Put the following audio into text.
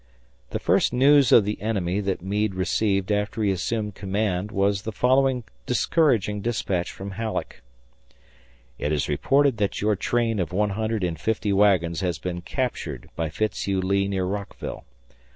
The first news of the enemy that Meade received after he assumed command was the following discouraging dispatch from Halleck: It is reported that your train of one hundred and fifty wagons has been captured by Fitzhugh Lee near Rockville.